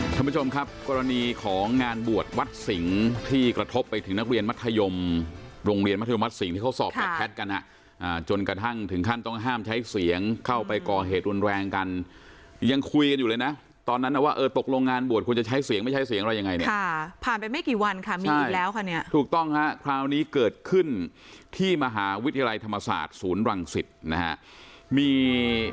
คุณผู้ชมครับกรณีของงานบวชวัดสิงห์ที่กระทบไปถึงนักเรียนมัธยมโรงเรียนมัธยมวัดสิงห์ที่เขาสอบกับแพทกันอ่ะอ่าจนกระทั่งถึงขั้นต้องห้ามใช้เสียงเข้าไปก่อเหตุอุนแรงกันยังคุยกันอยู่เลยน่ะตอนนั้นอ่ะว่าเออตกลงงานบวชควรจะใช้เสียงไม่ใช้เสียงอะไรยังไงเนี่ยค่ะผ่านไปไม่กี่วันค่ะมี